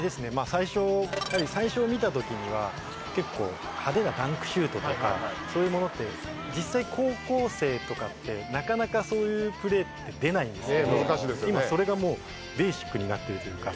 最初やはり最初見た時には結構派手なダンクシュートとかそういうものって実際高校生とかってなかなかそういうプレーって出ないんですけど今それがもうベーシックになってるというか。